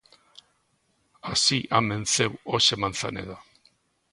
Así amenceu hoxe Manzaneda.